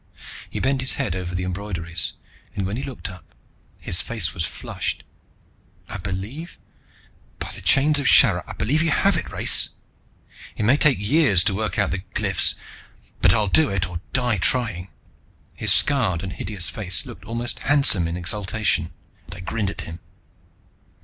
He bent his head over the embroideries, and when he looked up his face was flushed. "I believe by the chains of Sharra, I believe you have it, Race! It may take years to work out the glyphs, but I'll do it, or die trying!" His scarred and hideous face looked almost handsome in exultation, and I grinned at him.